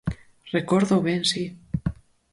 Recórdoo ben, si.